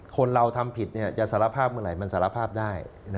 คนเราทำผิดจะสารภาพเมื่อไหร่มันสารภาพได้